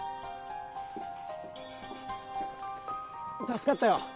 ・助かったよ。